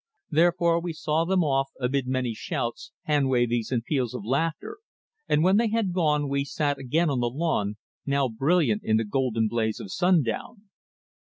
Therefore, we saw them off amid many shouts, hand wavings and peals of laughter, and when they had gone we sat again on the lawn, now brilliant in the golden blaze of sundown.